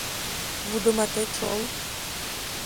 Вудыматет шол.